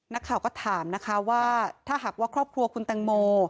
นักข่าวก็ถามนะคะว่าถ้าหากว่าครอบครัวคุณแตงโม